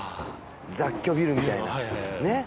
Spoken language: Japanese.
雑居ビルみたいなねっ